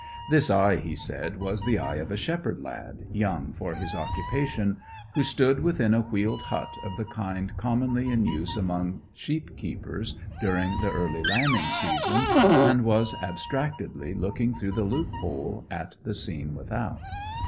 This eye, he said, was the eye of a shepherd lad, young for his occupation, who stood within a wheeled hut of the kind commonly in use among sheep keepers during the early lambing season, and was abstractedly looking through the loophole at the scene without.